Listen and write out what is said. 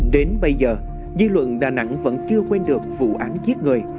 đến bây giờ dư luận đà nẵng vẫn chưa quên được vụ án giết người